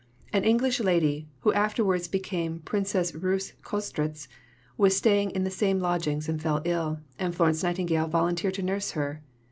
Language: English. An English lady, who afterwards became Princess Reuss Köstritz, was staying in the same lodgings and fell ill, and Florence Nightingale volunteered to nurse her.